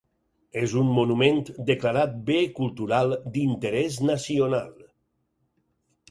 És un monument declarat Bé Cultural d'Interès Nacional.